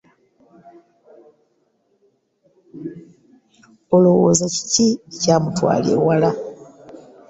Olowooza kiki ekyamutwala ewala?